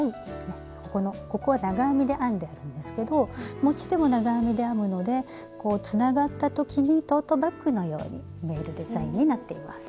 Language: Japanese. ここのここは長編みで編んであるんですけど持ち手も長編みで編むのでこうつながった時にトートバッグのように見えるデザインになっています。